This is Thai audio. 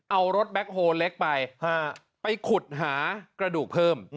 เอารถแบ็คโฮเล็กไปไปขุดหากระดูกเพิ่ม